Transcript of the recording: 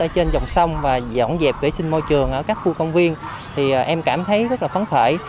ở trên dòng sông và dọn dẹp vệ sinh môi trường ở các khu công viên thì em cảm thấy rất là phấn khởi